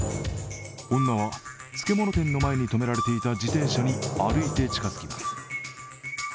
女は漬物店の前に止められていた自転車に歩いて近づきます。